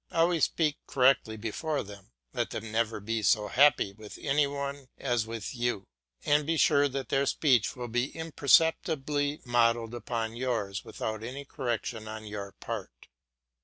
Always speak correctly before them, let them never be so happy with any one as with you, and be sure that their speech will be imperceptibly modelled upon yours without any correction on your part.